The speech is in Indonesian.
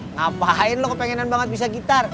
ngapain lo kepengenan banget bisa gitar